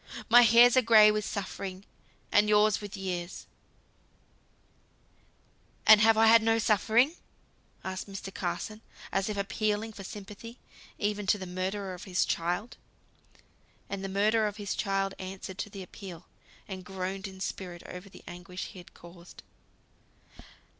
My hairs are gray with suffering, and yours with years " "And have I had no suffering?" asked Mr. Carson, as if appealing for sympathy, even to the murderer of his child. And the murderer of his child answered to the appeal, and groaned in spirit over the anguish he had caused.